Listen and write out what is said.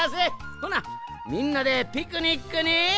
ほなみんなでピクニックに。